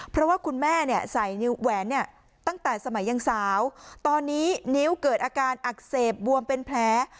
เพราะว่าคุณแม่เนี่ยใส่แหวนเนี่ยตั้งแต่สมัยยังสาวตอนนี้นิ้วเกิดอาการอักเสบบวมเป็นแผล